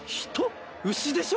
牛でしょ？